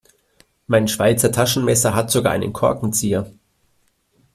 Mein Schweizer Taschenmesser hat sogar einen Korkenzieher.